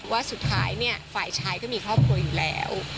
ว่าสุดท้ายเนี่ยฝ่ายชายก็มีครอบครัวอยู่แล้ว